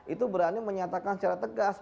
itu berani menyatakan secara tegas